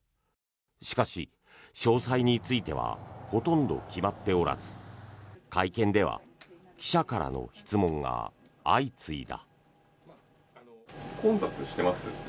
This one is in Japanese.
しかし、詳細についてはほとんど決まっておらず会見では記者からの質問が相次いだ。